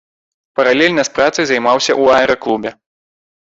Паралельна з працай займаўся ў аэраклубе.